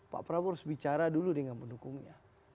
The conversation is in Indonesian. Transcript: pak prabowo harus bicara dulu dengan pendukungnya